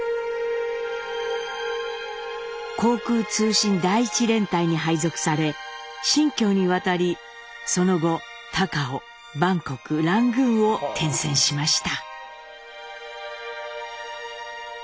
航空通信第一連隊に配属され新京に渡りその後高雄バンコクラングーンを転戦しました。